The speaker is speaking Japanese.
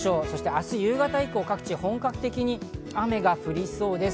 明日夕方以降、各地本格的に雨が降りそうです。